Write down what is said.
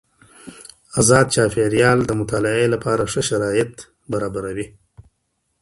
ازاد چاپیریال د مطالعې لپاره ښه شرايط برابروي.